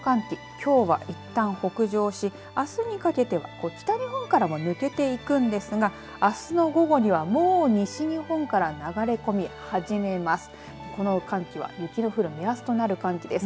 きょうはいったん北上しあすにかけて北日本からは抜けていくんですがあすの午後にはもう西日本から流れ込み始めます。